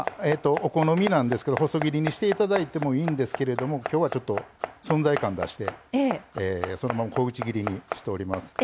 お好みなんですけど細切りにしていただいてもいいんですけれどもきょうは存在感を出してそのまま小口切りにしております。